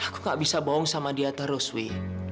aku nggak bisa bohong sama dia terus wi